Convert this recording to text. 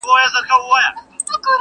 o چي د کم موږک په نس کي مي غمی دی,